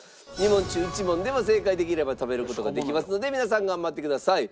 ２問中１問でも正解できれば食べる事ができますので皆さん頑張ってください。